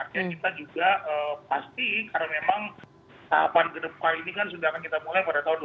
artinya kita juga pasti karena memang tahapan kedepan ini kan sudah akan kita mulai pada tahun dua ribu dua puluh